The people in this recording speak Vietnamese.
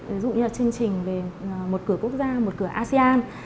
ví dụ như là chương trình về một cửa quốc gia một cửa asean